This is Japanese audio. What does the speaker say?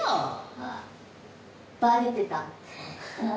「あっバレてた？